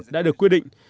đã được quyết định